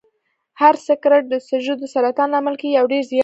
هو سګرټ د سږو د سرطان لامل کیږي او ډیر زیان لري